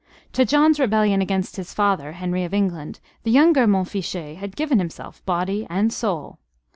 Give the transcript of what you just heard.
To John's rebellion against his father, Henry of England, the younger Montfichet had given himself body and soul.